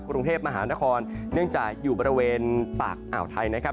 กรุงเทพมหานครเนื่องจากอยู่บริเวณปากอ่าวไทยนะครับ